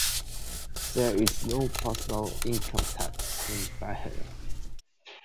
There is no personal income tax in Bahrain.